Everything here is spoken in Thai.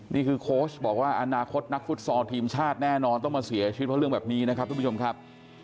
โค้ชบอกว่าอนาคตนักฟุตซอลทีมชาติแน่นอนต้องมาเสียชีวิตเพราะเรื่องแบบนี้นะครับทุกผู้ชมครับ